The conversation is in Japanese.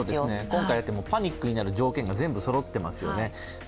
今回、パニックになる条件が全部そろっていますよね。